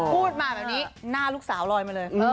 พูดมาแบบนี้หน้าลูกสาวลอยมาเลย